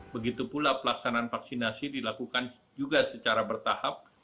sehingga pelaksanaan vaksinasi dilakukan juga secara bertahap